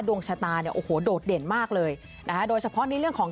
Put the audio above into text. ดวงชะตาเนี่ยโอ้โหโดดเด่นมากเลยนะคะโดยเฉพาะในเรื่องของ